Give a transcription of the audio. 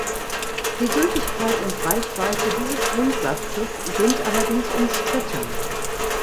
Die Gültigkeit und Reichweite dieses Grundsatzes sind allerdings umstritten.